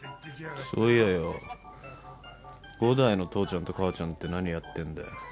そういやぁよ伍代の父ちゃんと母ちゃんって何やってんだよ？